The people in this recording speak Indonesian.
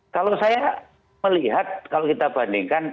kalau saya melihat kalau kita bandingkan